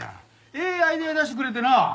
ええアイデア出してくれてな。